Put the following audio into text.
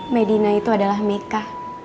medina itu adalah meka